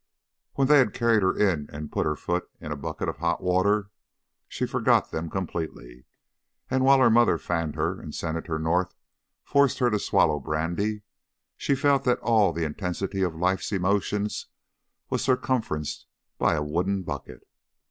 When they had carried her in and put her foot into a bucket of hot water, she forgot them completely, and while her mother fanned her and Senator North forced her to swallow brandy, she felt that all the intensity of life's emotions was circumferenced by a wooden bucket.